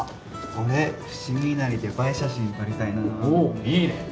俺伏見稲荷で映え写真撮りたいなおおっいいね